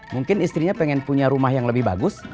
mungkin istrinya pengen punya rumah yang lebih bagus